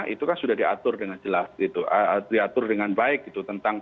itu kan sudah diatur dengan jelas gitu diatur dengan baik gitu